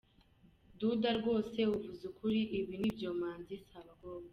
Duda rwose uvuze ukuri, ibi ni ibyomanzi si abakobwa.